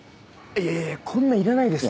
いやいやこんないらないです。